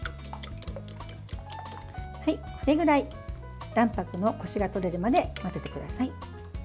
これぐらい卵白のコシがとれるまで混ぜてください。